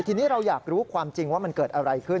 ทีนี้เราอยากรู้ความจริงว่ามันเกิดอะไรขึ้น